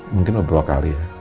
mungkin beberapa kali ya